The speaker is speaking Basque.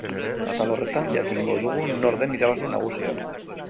Atal horretan jakingo dugu nor den irabazle nagusia.